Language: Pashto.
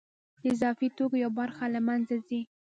د اضافي توکو یوه برخه له منځه ځي